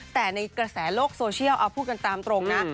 แต่ในกระแสโลกโซเชียลเอาพูดกันตามตรงนะ